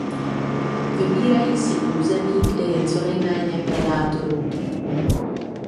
Vybírají si území kde je co nejméně predátorů.